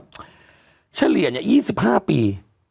พูดเรว่าเฉลี่ย๒๕ปี